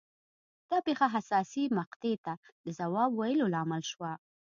دا پېښه حساسې مقطعې ته د ځواب ویلو لامل شوه.